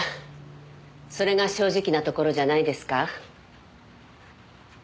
それが正直なところじゃないですか？